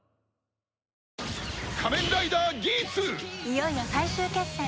いよいよ最終決戦。